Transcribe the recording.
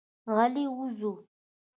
غلي وځو.